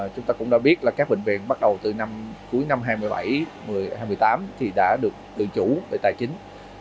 chúng ta cũng đã biết là các bệnh viện bắt đầu từ cuối năm hai nghìn một mươi bảy hai nghìn một mươi tám thì đã được tự chủ về tài chính